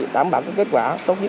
đảm bảo kết quả tốt nhất